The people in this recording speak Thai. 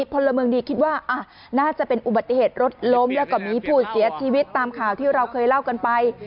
พลเมืองดีคิดว่าน่าจะเป็นอุบัติเหตุรถล้มแล้วก็มีผู้เสียชีวิตตามข่าวที่เราเคยเล่ากันไป